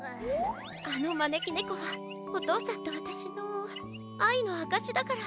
あのまねきねこはおとうさんとわたしのあいのあかしだから。